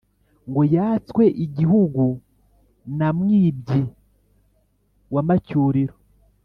ngo yatswe igihugu na mwibyi wa macyuriro!